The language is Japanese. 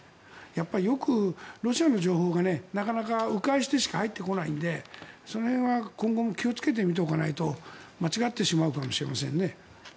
やっぱりよくロシアの情報がなかなか迂回してしか入ってこないのでその辺は今後も気をつけて見ておかないと間違ってしまうかもしれませんね。